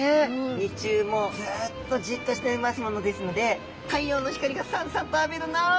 日中もうずっとじっとしていますものですので太陽の光がさんさんと浴びるな！